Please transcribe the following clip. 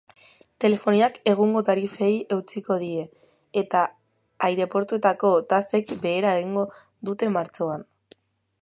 Telefoniak egungo tarifei eutsiko die, eta aireportuetako tasek behera egingo dute martxoan.